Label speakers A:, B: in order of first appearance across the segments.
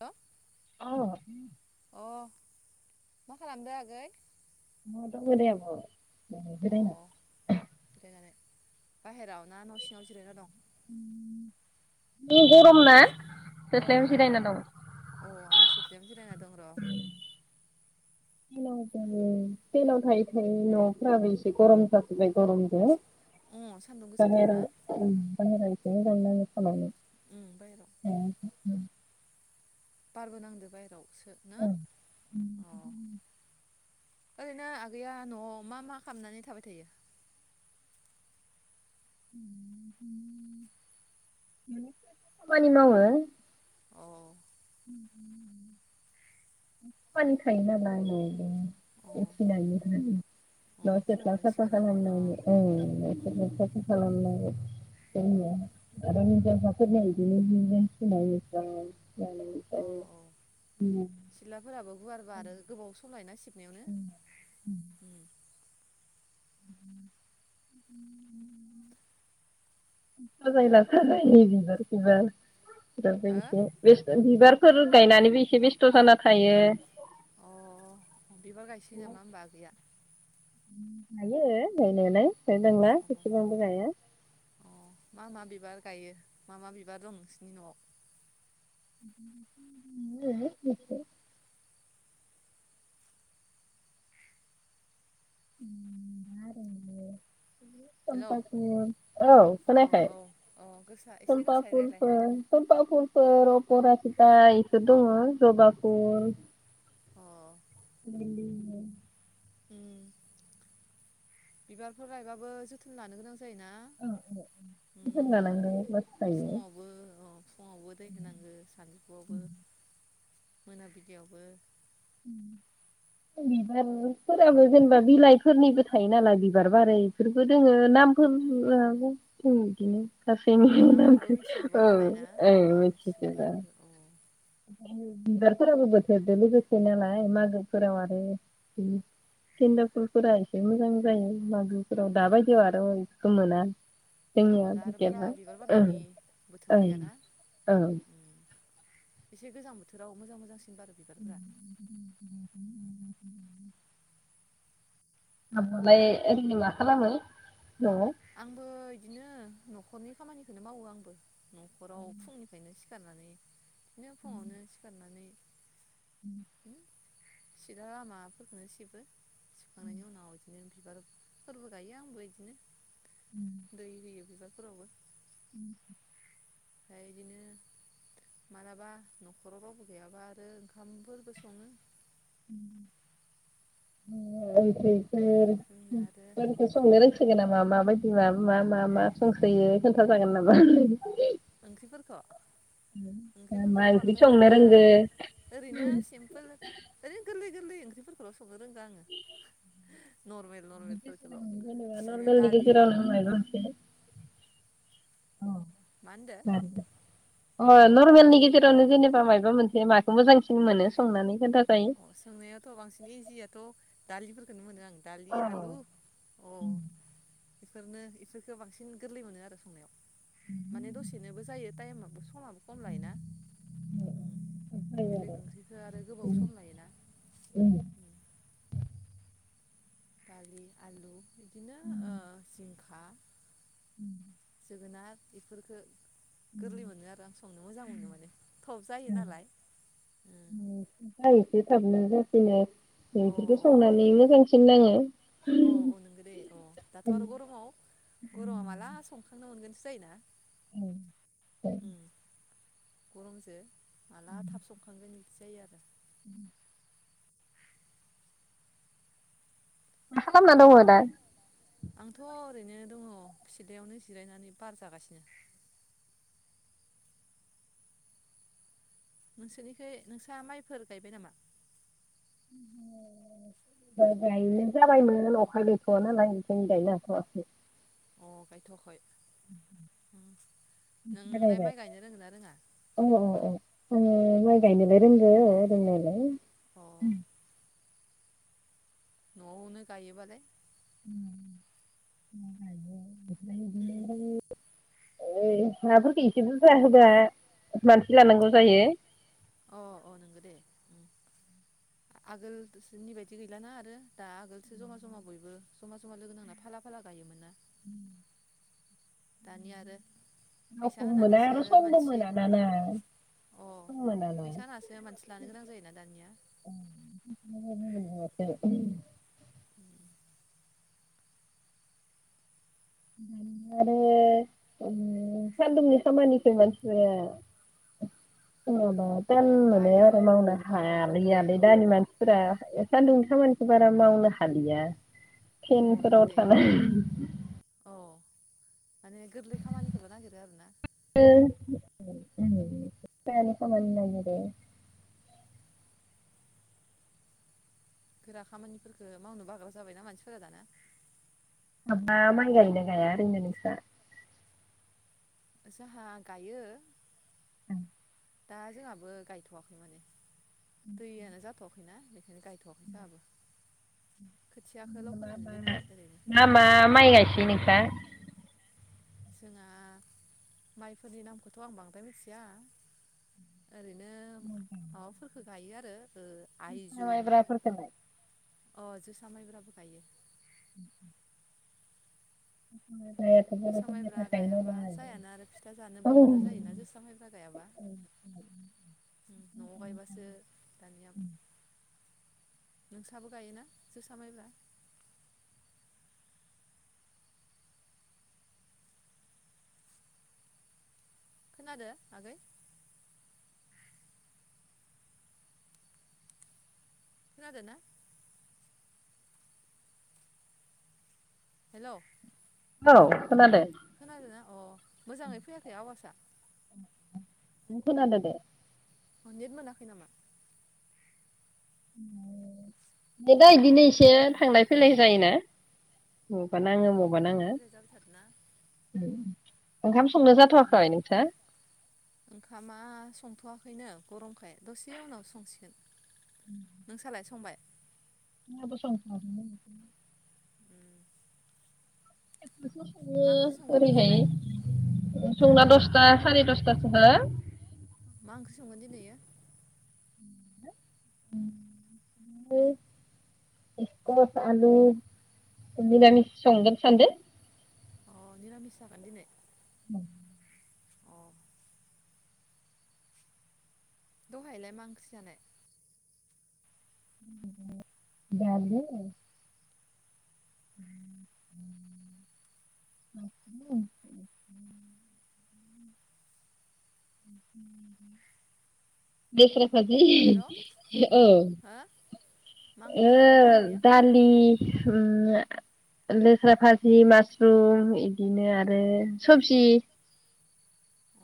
A: Hello
B: औ
A: मा खालामदो आगै?
B: [unintelligible] आब'
A: अ
B: जिरायना
A: जिरायनानै बाहेराव ना न' सिङाव जिरायना दं
B: [unintelligible] गरम ना सिथ्लायाव जिरायना दं
A: थ्लायाव जिरायना दं र'
B: [unintelligible] फेनाव थायै थायै न'फोराबो गरम जाफैबाय गरम जों
A: उम सान्दुं गोसाथारना उम
B: [unintelligible]
A: बाहेराव
B: [unintelligible] उम उम
A: बारबो नांदों बाहेराव [unintelligible] ओरैनो आगैया न'आव मा मा खालामनानै थाबाय थायो
B: [unintelligible] खामानि मावो
A: अ अ
B: [unintelligible]
A: अ फुङावनो सिखारनानै अ उम उम
B: [unintelligible]
A: उम
B: [unintelligible]
A: औ औ
B: ओम,
A: सिथलाफोराबो गुवारबा आरो गोबाव सम लायोना सि नायावनो
B: ओम,
A: उ
B: [unintelligible] फोराबो
A: हो
B: एसे बेस्थ' बिबारफोर गायनानैबो एसे बेस्थ' जाना थायो
A: अ बिबार गायसोयो नामा होमबा आगैया
B: उ गायो गायनायालाय [unintelligible]
A: अ
B: एसेबांबो गाया
A: बार गायो मा मा बिबार दं नोंसिनि न'आव
B: [unintelligible] [unintelligible] बिदिनो
A: हेलौ
B: समपा फुल औ खोनायाखाय
A: औ अ गोसा एसे
B: समपा
A: गोसायै रायलाय
B: फुलफोर समपा फुल [unintelligible] बेफोर दङ जबा फुल
A: अ
B: [unintelligible]
A: उ बिबारफोर गायबाबो जोथोन लानो गोनां जायो ना
B: औ
A: उ
B: जोथोन लानांगौ मस्त जायो
A: फुङावबो अ फुङावबो दै होनांगौ सानजौफुआवबो मोनाबिलियावबो
B: उ बिबारफोराबो जेनेबा बिलाइफोरनिबो थायो नालाय बिबार बारै फोरबो दोङो नामफोर [unintelligible] बिदिनो गासैनि
A: अ नामखोबो
B: नामखौ
A: मिथिजोबा
B: औ
A: नालाय ना अ मिथिजोबा नामखौ औ
B: बिबारफोराबो बोथोरजों लोगोसे नालाय मागोफोराव आरो उ गेनदाफुलफोरा एसे मोजां जायो मागोफोराव दाबायदियाव आरो बेखौ मोना
A: अ
B: जोंनिया
A: दा आरो बारा
B: लकेला
A: बिबार
B: ओं
A: बारनायनि बोथोर
B: ओं
A: गैयाना
B: ओं
A: एसे गोजां बोथोराव मोजां मोजांसिन बारो बिबारफोरा
B: [unintelligible] आब'आलाय ओरैनो मा खालामो?
A: आंबो बिदिनो न'खरनि खामानिखौनो मावो आंबो न'खराव फुंनिफ्रायनो सिखारनानै बिदिनो फुङावनो सिखारनानै
B: उ
A: सिला लामाफोरखौनो सिबो सिबखांनायनि उनाव बिदिनो बिबार फोरबो गायो आंबो बिदिनो दै होयो बिबार फोरावबो
B: [unintelligible]
A: ओमफ्राय बिदिनो मालाबा न'खराव रावबो गैयाबा आरो ओंखामफोरबो सङो
B: [unintelligible] ओंख्रिफोर
A: जोंनो आरो
B: [unintelligible] संनो रोंसोगो नामा? माबायदि मा मा मा संसोयो खोन्था जागोन नामा?
A: ओंख्रिफोरखौ
B: मा मा
A: ओंख्रिफोरखौथ'
B: ओंख्रि
A: बांद्राय
B: संनो
A: रोङा
B: रोंगो
A: ओरैनो सिम्पोल ओरैनो गोरलै गोरलै ओंख्रिफोरखौल' संनो रोंगौ आङो नर्मेल नर्मेल
B: जेनेबा
A: फोरखौल'
B: नर्मेलनि
A: दालि
B: गेजेरावनो मायबा मोनसे
A: मा होनदो?
B: अ नर्मेलनि गेजेरावनो जेनेबा मायबा मोनसे माखौ मोजांसिन मोनो संनानै खोनथा
A: अ संनायाथ' बांसिन इजियाथ' दालिफोरखोनो मोनो आं दालि आलु अ इफोरनो इफोरफोरखौ बांसिन गोरलै मोनो आरो संनायाव माने दसेनोबो जायो टाइमाबो समाबो खम लायोना बेलेग ओंख्रिखौ आरो गोबाव सम लायोना
B: ए
A: उम दालि आलु बिदिनो जिंखा
B: उम
A: जोगोनार बेफोरखौ गोरलै मोनो आरो आं संनो मोजां मोनो माने थब जायो नालाय
B: ए थाबनो जासिनो
A: अ
B: बेफोरखौ
A: अ
B: संनानै मोजां सिन नाङो
A: औ औ नोंगो दे औ दाथ' आरो गरमाव गरमाव माला संखांनो मोनगोन जायो ना उम गरमसो माला थाब संखांगोन जायो आरो
B: उम मा खालामना दङ दा
A: आंथ' ओरैनो दङ सिलायावनो जिरायनानै बार जागासिनो नोंसोरनिखै नोंसा माइफोर गायबाय नामा
B: गायनो जाबायमोन अखा गैथ'आ नालाय बिनिखायनो गायनो हाथ'वाखै
A: अ गायथ'हखै नोंलाय
B: जागायबाय
A: माइ गायनो रोंगोन ना रोङा
B: अ अ आङो माइ गायनोलाय रोंगौ रोंनायालाय
A: अ न'आवनो गायोबालाय
B: [inaudible]
A: उम
B: ए हाफोरखौ एसे बुरजा होबा मानसि लानांगौ जायो
A: अ अ नोंगौ दे आगोल बायदि गैलाना आरो दा आगोलसो जमा जमा बयबो जमा जमा लोगो नांना फाला फाला गायोमोन ना
B: उम
A: दानिया आरो फैसा
B: रावखौबो मोना
A: होनानैसो
B: आरो समबो
A: मानसि
B: मोनाना ना
A: अ
B: सम मोनाना
A: फैसा होनासो मानसि लानो गोनां जायोना दानिया उम उम
B: आरो सान्दुंनि खामानिखौ मानसिफोरा जेनबा
A: अ
B: थान मोनो
A: बायो
B: आरो मावनो
A: औ
B: हायालै
A: नोंगो दे
B: आरो
A: औ
B: दामि मानसिफोरा
A: उम
B: सान्दुं बारा मावनो हालिया
A: औ
B: फेनफोराव थाना
A: अ माने गोरलै खामानिखौल नागिरो आरो ना?
B: उम गोरलै खामानि नागिरो
A: गोरा खामानिफोरखौ मावनो बाग्रा जाबायनाा मानसिफोरा दाना
B: माबा माइ गायनो गाया ओरैनो नोंस्रा?
A: जोंहा गायो। दा जोंहाबो गायथवाखै माने दैयानो जाथवाखैना गायथवाखै जोंहाबो। खोथियाखौल' फोनानै दोनबाय ओरैनो
B: मा मा माइ गायसोयो नोंस्रा?
A: जोंहा माइफोरनि नामखौथ आं बांद्राय मिथिया। ओरैनो माबाफोरखौ गायो आरो। ओ आइजुम
B: माइब्राफोरखौलाय?
A: अ जोसा माइब्राबो गायो।
B: उम [inaudible]
A: जोसा
B: बर'फोरनि
A: माइब्रा
B: थाखायो
A: गायाबा
B: नालाय
A: जायाना आरो फिथा जानोबो मोना जायोना जोसा माइब्रा गायाबा नयाव गायबासो दानिया नोंसाबो गायोना जोसा मायब्रा? खोनादों आगै? खानादो ना? हेलौ
B: औ खोनादों
A: खोनादों ना अ मोजाङै फैयाखै आवजा।
B: खोनादो दे
A: नेट मोनाखै नामा??
B: दा बिदिनो एसे थांलाय फैलाय जायोना? मावबा
A: अ
B: नाङो मावबा
A: थांलाय
B: नाङा।
A: फैलाय जाबाय थादोना
B: ओंखाम संनो
A: उम
B: जाथवाखै नोंसा?
A: खैनो गरमखाय दसे उनाव संसिगोन। नोंसालाय संबाय?
B: जोंहाबो संथयाखैनो
A: [inaudible]
B: सङो
A: मा ओंख्रि संगोन
B: ओरैहाय
A: दिनैलाय हो
B: संना दसथा सारि दस हो
A: मा ओंख्रि संगोन दिेनैयो?
B: इकस आलु मिरामिस संगोन सानदो।
A: मिरामिस जागोन दिनै? अ दहायलाय मा ओंख्रि जानाय?
B: [unintelligible] [unintelligible] [unintelligible] [unintelligible] लेस्रा [unintelligible]
A: हेल'
B: औ ओ
A: हो मा ओंख्रि जादोंमोन दहायो
B: दालि [unintelligible] लेस्रा फाजि मासरुम बिदिनो आरो सबजि
A: अ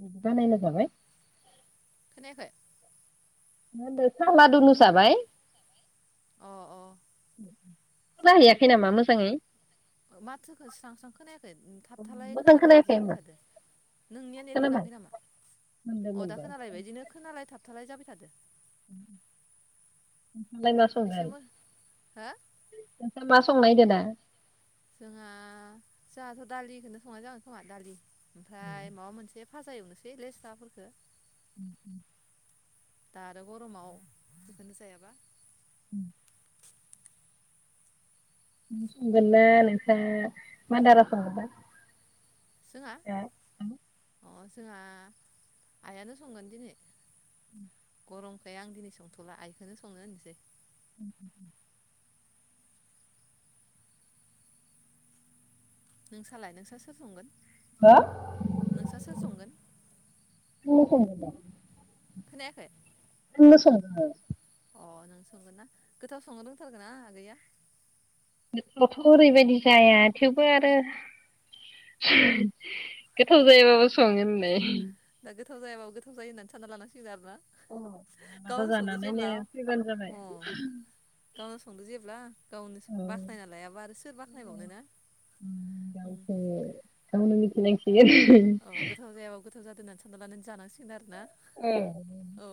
B: बिदि बानायना जाबाय
A: खोनायाखै
B: मा होनदो [unintelligible] जाबाय
A: अ अ
B: [unintelligible] [unintelligible] मोजाङै?
A: [unintelligible] माथोखौ स्रां स्रां खोनायाखै थाबथालाय
B: मोजां
A: खोनालाय
B: खोनायाखै
A: बिदि जाबाय
B: आङो
A: थादो नोंनिया नेट
B: खोनाबाय
A: मोनाखै नामा?
B: मोनदो
A: अ दा
B: मोनदो
A: खोनालायबाय बिदिनो खोनालाय थाब थालाय जाबाय थादो
B: [unintelligible] मा
A: एसे
B: संगोन
A: मोन हो?
B: नोंसा मा संनायदो दा?
A: जोंहा जाहाथ' दालिखौनो संनाय जागोन खोमा दालि ओमफ्राय माबा मोनसे फाजा एवनोसै लेस्राफोरखो
B: उम उम
A: दा आरो गरमाव बेखौनो जायाबा
B: उम नों संगोनना नोंसा मादारा संगोनबा?
A: जोंहा अ जोंहा आइयानो संगोन दिनै गरमखाय आं दिनै संथ'ला आइखौसो संनो होनोसै नोंसालाय नोंसा सोर संगोन? नोंसा सोर संगोन?
B: [unintelligible]
A: खोनायाखै
B: [unintelligible]
A: अ नों संगोन ना गोथाव संनो रोंथारगो ना आगैया
B: गोथावथ' ओरैबायदि जाया थेवबो आरो गोथाव [unintelligible] जायाबाबो सङो होनलाय
A: दा गोथाव जायाबो गोथाव जायो होनना सानना लानांसिगोन आरोना
B: अ मालाबा
A: गावनो
B: जाना
A: संदो
B: नायनो
A: जेब्ला
B: फैबानो जाबाय
A: अ
B: [unintelligible]
A: गावनो संदो जेब्ला गावनो
B: औ
A: बाख्नायना लायाबा आरो सोर बाख्नायबावनो ना उम
B: गावसो गावनो मिथिनाय
A: औ गोथाव जायाबाबो
B: [unintelligible]
A: गोथाव जादो होननानै सानना लानानै जानांसिगोन आरो ना औ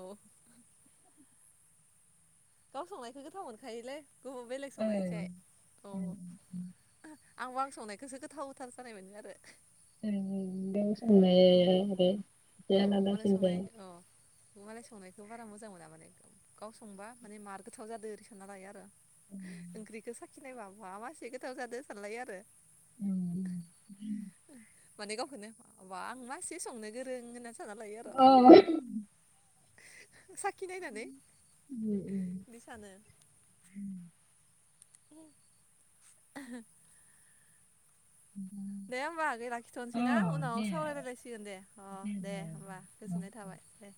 A: गाव संनायखौ गोथाव मोनखायोलै गुबुन बेलेग
B: ओं
A: संनायनिसाय अ
B: ओं
A: आंबो आं संनायखौसो गोथावथार जानाय मोनो आरो औ
B: [unintelligible]
A: औ मालाय संनाय अ
B: [unintelligible]
A: मालाय संनायखौ बारा मोजां मोना माने गाव संबा माने मार गोथाव जादो ओरै सानना लायो आरो ओंग्रिखौ सा खिनायबा बा मासे गोथाव जादो सानलायो आरो उ माने गावखौनो बा आं मासे संनो गोरों होनना सानना लायो आरो
B: औ
A: साखि नायनानै
B: उ
A: बिदि सानो
B: उ उ
A: ए आह दे होमबा आगै लाखिथ'नोसैना उनाव सावरायलायलायसिगोन दे अ दे होमबा गोजोननाय थाबाय दे